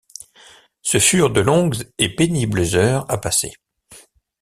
Ce furent de longues et pénibles heures à passer.